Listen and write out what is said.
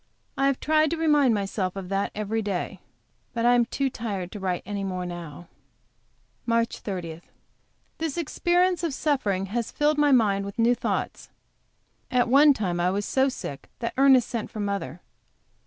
I have tried to remind myself of that every day. But I am too tired to write any more now. MARCH 30. This experience of suffering has filled my mind with new thoughts. At one time I was so sick that Ernest sent for mother.